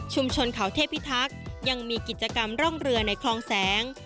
ชนเขาเทพิทักษ์ยังมีกิจกรรมร่องเรือในคลองแสง